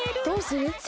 どうする？